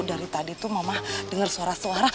dari tadi tuh mama dengar suara suara